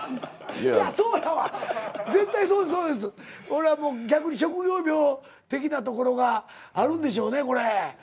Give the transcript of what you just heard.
おいらは逆に職業病的なところがあるんでしょうね。